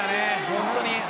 本当に。